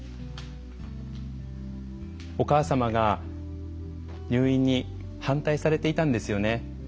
お母様が入院に反対されていたんですよね。